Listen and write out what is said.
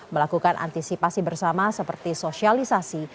melakukan antisipasi bersama seperti sosialisasi